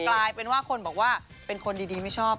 กลายเป็นว่าคนบอกว่าเป็นคนดีไม่ชอบ